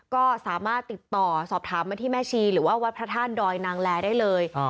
ก็สามารถติดต่อสอบถามมาที่แม่ชีหรือว่าวัดพระธาตุดอยนางแลได้เลย